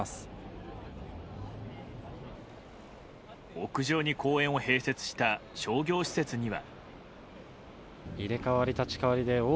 屋上に公園を併設した商業施設には。